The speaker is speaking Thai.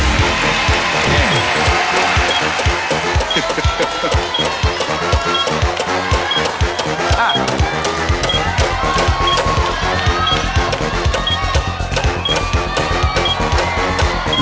นั่น